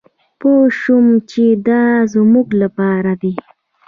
پوه شوم چې دا زمونږ لپاره دي.